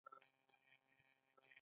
د ږلۍ د زیان مخه نیول کیږي.